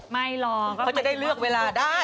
ไม่หรอกเขาจะได้เลือกเวลาได้